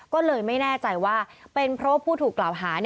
ก็เลยไม่แน่ใจว่าเป็นเพราะว่าผู้ถูกกล่าวหา